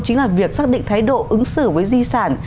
chính là việc xác định thái độ ứng xử với di sản